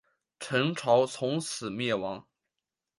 陈朝自从灭亡。